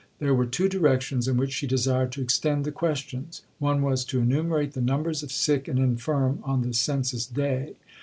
There were two directions in which she desired to extend the questions. One was to enumerate the numbers of sick and infirm on the Census day.